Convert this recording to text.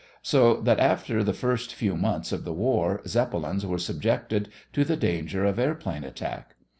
So that after the first few months of the war Zeppelins were subjected to the danger of airplane attack.